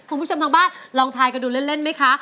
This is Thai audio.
ของผู้ชมทางบ้านลองถ่ายกระดูกเล่นไหมคะ